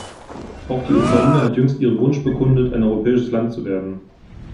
Auch die Ukraine hat jüngst ihren Wunsch bekundet, ein europäisches Land zu werden.